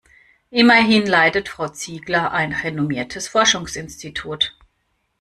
Immerhin leitet Frau Ziegler ein renommiertes Forschungsinstitut.